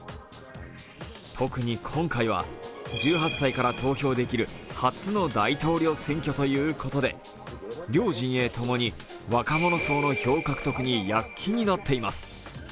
特に、今回は１８歳から投票できる初の大統領選挙ということで、両陣営ともに若者層の票獲得に躍起になっています